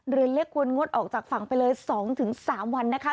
เรือเล็กควรงดออกจากฝั่งไปเลย๒๓วันนะคะ